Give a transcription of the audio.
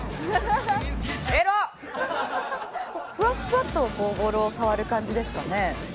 「フワッフワッとボールを触る感じですかね」